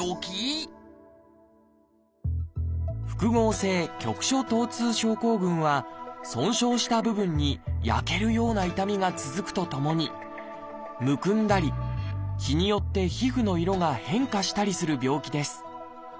「複合性局所疼痛症候群」は損傷した部分に焼けるような痛みが続くとともにむくんだり日によって皮膚の色が変化したりする病気です。